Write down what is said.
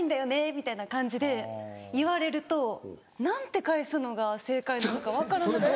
みたいな感じで言われると何て返すのが正解なのか分からなくて。